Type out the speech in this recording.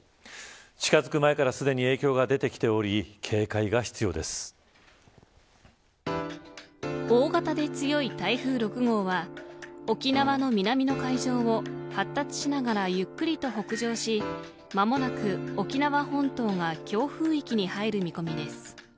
近づく前からすでに影響が出てきており大型で強い台風６号は沖縄の南の海上を発達しながらゆっくりと北上し間もなく沖縄本島が強風域に入る見込みです。